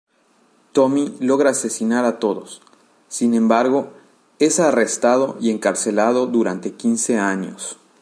Tommy logra asesinar a todos, sin embargo, es arrestado y encarcelado durante quince años.